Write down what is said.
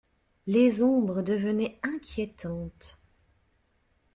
Les ombres devenaient inquiétantes.